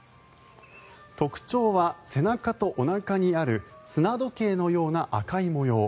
特徴は背中とおなかにある砂時計のような赤い模様。